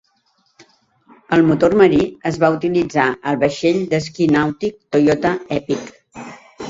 El motor marí es va utilitzar al vaixell d'esquí nàutic Toyota Epic.